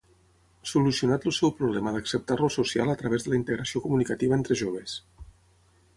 Solucionat el seu problema d'acceptar-lo social a través de la integració comunicativa entre joves.